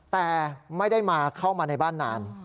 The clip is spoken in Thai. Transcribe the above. แต่ไม่ได้มาเข้ามาในบ้านนาน